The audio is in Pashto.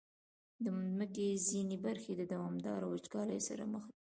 د مځکې ځینې برخې د دوامداره وچکالۍ سره مخ دي.